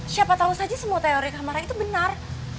siapa tahu saja semua teori kak marah itu benar